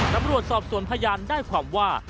ตำรวจสอบส่วนพยานได้ความว่า